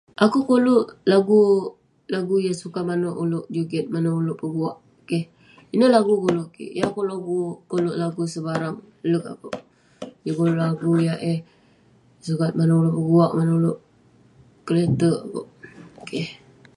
Akouk koluk lagu-lagu yah sukat manouk ulouk juget manouk ulouk peguak. Keh. Ineh lagu koluk kik, yeng akouk lagu- koluk lagu sebarang, lerk akouk. Juk koluk lagu yah eh sukat manouk ulouk peguak manouk ulouk kelete'erk akouk. Keh.